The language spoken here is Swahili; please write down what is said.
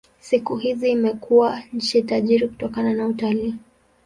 Siku hizi imekuwa nchi tajiri kutokana na utalii.